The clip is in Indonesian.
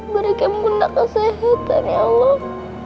berikan bunda kesehatan ya allah